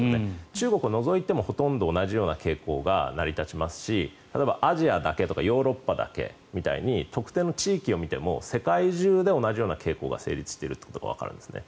中国を除いてもほとんど同じような傾向が成り立ちますし例えばアジアだけとかヨーロッパだけとか特定の地域を見ても世界中で同じような傾向が成立していることがわかるんですね。